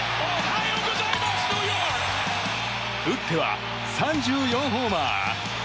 打っては３４ホーマー。